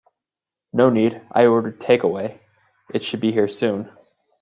No need, I ordered take away, it should be here soon.